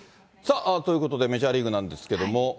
ということで、メジャーリーグなんですけれども。